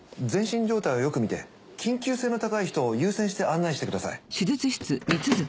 全身状態をよくみて緊急性の高い人を優先して案内してください。